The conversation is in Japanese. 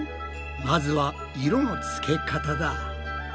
まずは色のつけ方だ。